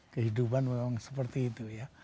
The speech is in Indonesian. kehidupan memang seperti itu ya